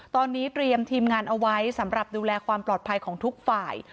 ตอนนี้เตรียมทีมงานเอาไว้สำหรับดูแลความปลอดภัยของทุกฝ่าย